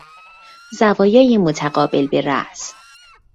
زوایای متقابل برأس